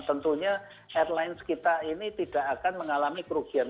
tentunya airlines kita ini tidak akan mengalami kerugian